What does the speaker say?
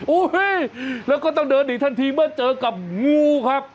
โอ้เฮ่ยแล้วก็ต้องเดินอีกทันทีเมื่อเจอกับงูครับ